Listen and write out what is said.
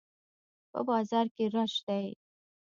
په بازار کښي رش دئ.